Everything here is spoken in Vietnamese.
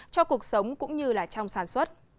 cho cuộc sống cũng như trong sản xuất